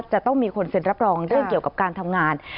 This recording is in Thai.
จะต้องมีคนเซ็นรับรองเรื่องเกี่ยวกับการทำงาน